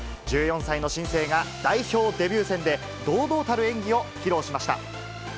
１４歳の新星が、代表デビュー戦で、堂々たる演技を披露しました。